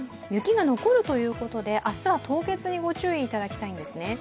雪が残るということで、明日は凍結にご注意いただきたいんですね。